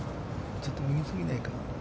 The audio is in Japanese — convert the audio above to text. ちょっと右過ぎないか？